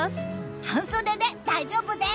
半袖で大丈夫です。